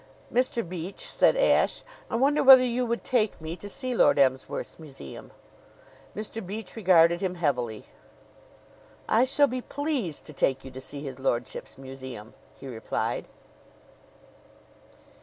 "Mr. Beach," said Ashe, "I wonder whether you would take me to see Lord Emsworth's museum?" Mr. Beach regarded him heavily. "I shall be pleased to take you to see his lordship's museum," he replied.